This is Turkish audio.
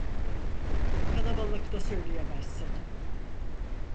Kalabalıkta söyleyemezsin.